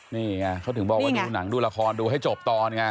นี่ไงเขาถึงบอกว่าดูหนังดูละครดูให้จบตอนไง